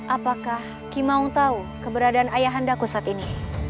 apakah ki mau tahu keberadaan ayahandaku saat ini